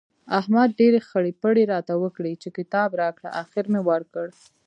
احمد ډېرې خړۍ پړۍ راته وکړې چې کتاب راکړه؛ اخېر مې ورکړ.